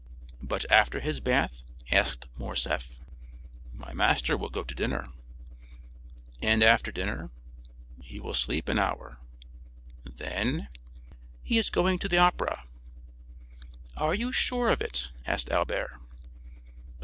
"But after his bath?" asked Morcerf. "My master will go to dinner." "And after dinner?" "He will sleep an hour." "Then?" "He is going to the Opera." "Are you sure of it?" asked Albert.